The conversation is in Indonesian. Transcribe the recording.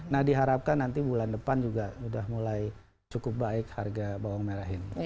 nah diharapkan nanti bulan depan juga sudah mulai cukup baik harga bawang merah ini